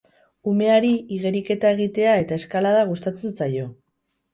Umeari igeriketa egitea eta eskalada gustatzen zaizkio.